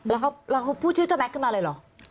แล้วเขาพูดชื่อเจ้าแม็กขึ้นมาเลยเหรอ